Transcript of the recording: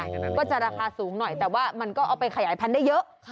ก็จะราคาสูงหน่อยแต่ว่ามันก็เอาไปขยายพันธุ์ได้เยอะ